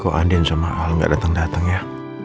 kok andien sama al gak dateng dateng ya